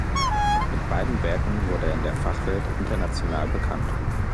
Mit beiden Werken wurde er in der Fachwelt international bekannt.